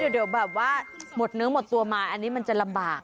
เดี๋ยวแบบว่าหมดเนื้อหมดตัวมาอันนี้มันจะลำบาก